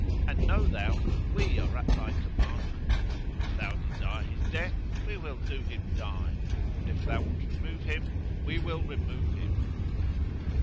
And know thou that we are at thy commandment; if thou desire his death, we will do him die; and if thou wilt remove him, we will remove him."